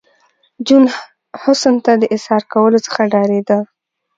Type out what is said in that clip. جون حسن ته د اظهار کولو څخه ډارېده